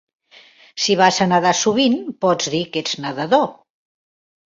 Si vas a nadar sovint, pots dir que ets nadador.